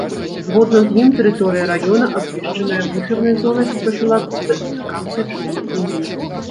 Згодна з ім тэрыторыя раёна абвешчаная буфернай зонай па прафілактыцы афрыканскай чумы свіней.